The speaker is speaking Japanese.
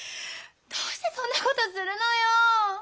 どうしてそんなことするのよ。